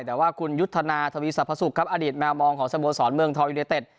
แต่ว่าคุณยุทธนาธวีสพสุกครับอดิษฐ์แมวมองของสะโบสรเมืองทองยุโดยเต็ด